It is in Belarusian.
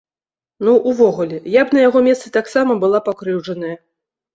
Ну, увогуле, я б на яго месцы таксама была пакрыўджаная.